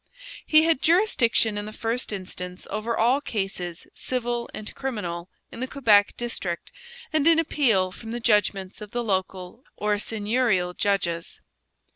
He had jurisdiction in the first instance over all cases civil and criminal in the Quebec district and in appeal from the judgments of the local or seigneurial judges.